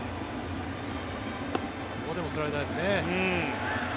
ここでもスライダーですね。